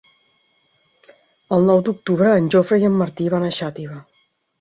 El nou d'octubre en Jofre i en Martí van a Xàtiva.